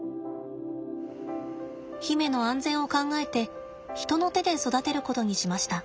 媛の安全を考えて人の手で育てることにしました。